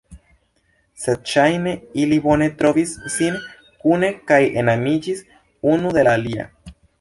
Sed ŝajne ili bone trovis sin kune kaj enamiĝis unu de la alia.